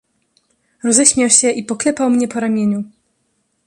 "Roześmiał się i poklepał mnie po ramieniu."